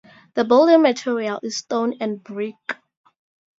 The building material is stone and brick.